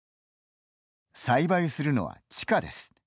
栽培するのは、地下です。